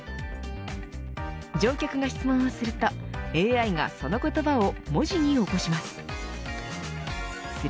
乗客が質問をするとＡＩがその言葉を文字に起こします。